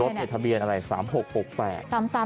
รถทะเบียนอะไร๓๖๖แสน